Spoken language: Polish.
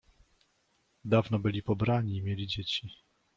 Dawno byli pobrani i mieli dzieci.